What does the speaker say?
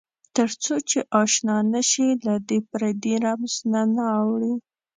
تر څو چې آشنا نه شې له دې پردې رمز نه اورې.